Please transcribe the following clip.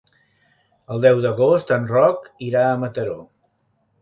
El deu d'agost en Roc irà a Mataró.